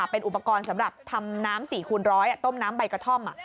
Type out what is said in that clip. เป็นอุปกรณ์สำหรับทำน้ำ๔คูณร้อยต้มน้ำใบกระท่อม